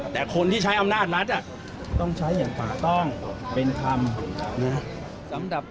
แต่คนที่ใช้อำนาจรัฐอ่ะต้องใช้อย่างฝากต้องเป็นคำนะ